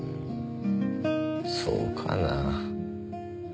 そうかなぁ。